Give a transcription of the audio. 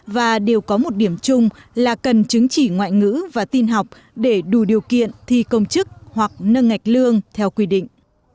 và đều có một điểm chung là cần chứng chỉ ngoại ngữ và tin học để đủ điều kiện thi công chức hoặc nâng ngạch lương theo quy định